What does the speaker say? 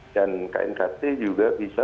dan knkt juga bisa